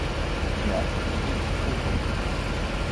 Gaffes et quiproquos.